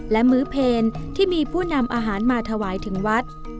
และมื้อเพลที่มีผู้นำอาหารมาถวายถึงวัด